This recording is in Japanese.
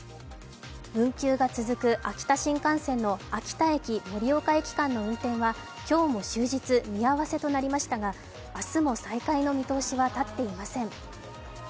運休が続く秋田新幹線の秋田駅−盛岡駅間の運転は今日も終日、見合わせとなりましたが、明日も再開の見通しは立っていません。